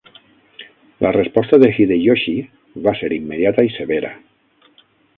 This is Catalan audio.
La resposta de Hideyoshi va ser immediata i severa.